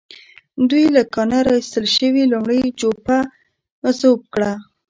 دوی له کانه را ايستل شوې لومړۍ جوپه ذوب کړه.